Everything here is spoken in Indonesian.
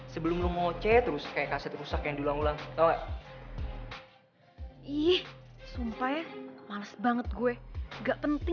sebenernya kamu pasti ilah tau yg k sexual